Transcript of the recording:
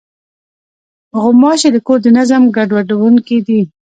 غوماشې د کور د نظم ګډوډوونکې دي.